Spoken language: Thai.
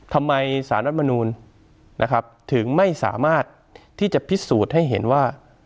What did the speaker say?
สารรัฐมนูลนะครับถึงไม่สามารถที่จะพิสูจน์ให้เห็นว่า